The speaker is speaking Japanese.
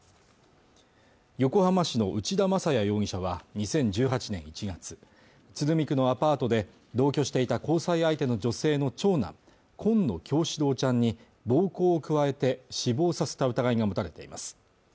横浜市の内田正也容疑者は２０１８年１月鶴見区のアパートで同居していた交際相手の女性の長男紺野叶志郎ちゃんに暴行を加えて死亡させた疑いが持たれています